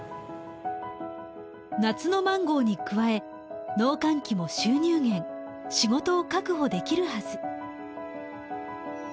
夏のマンゴーに加え農閑期も収入源仕事を確保できるはず。